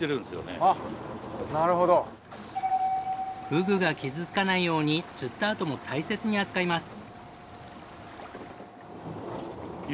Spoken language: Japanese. フグが傷つかないように釣ったあとも大切に扱います。